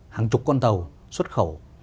hàng chục con tàu xuất khẩu